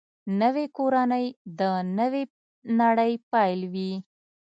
نوې کورنۍ د نوې نړۍ پیل وي